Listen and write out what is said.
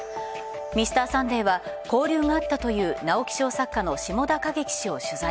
「Ｍｒ．サンデー」は交流があったという直木賞作家の志茂田景樹氏を取材。